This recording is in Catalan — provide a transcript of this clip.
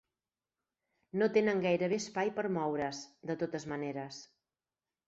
No tenen gairebé espai per moure's, de totes maneres.